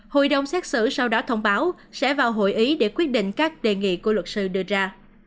hội đồng xét xử sau đó thông báo sẽ vào hội ý để quyết định các đề nghị của luật sư đưa ra